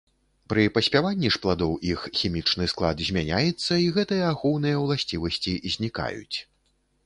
Пры паспяванні ж пладоў іх хімічны склад змяняецца і гэтыя ахоўныя ўласцівасці знікаюць.